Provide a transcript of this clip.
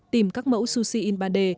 tìm các mẫu sushi in ba d